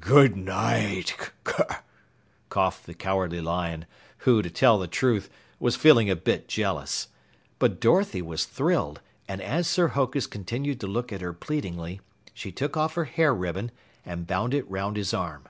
"Good night," coughed the Cowardly Lion, who, to tell the truth, was feeling a bit jealous. But Dorothy was thrilled, and as Sir Hokus continued to look at her pleadingly, she took off her hair ribbon and bound it 'round his arm.